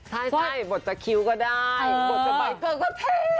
ใช่บทจะคิ้วก็ได้บทจะบายเกินก็เท่